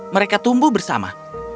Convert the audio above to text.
mereka tumbuh bersama